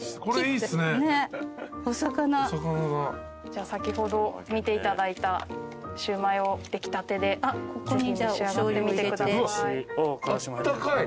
じゃあ先ほど見ていただいたシウマイを出来たてでぜひ召し上がってみてください。